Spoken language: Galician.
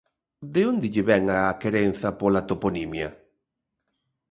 De onde lle vén a querenza pola toponimia?